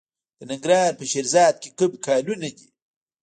د ننګرهار په شیرزاد کې کوم کانونه دي؟